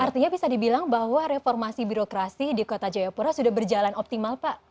artinya bisa dibilang bahwa reformasi birokrasi di kota jayapura sudah berjalan optimal pak